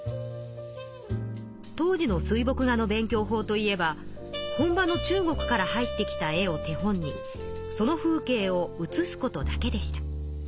当時の水墨画の勉強法といえば本場の中国から入ってきた絵を手本にその風景を写すことだけでした。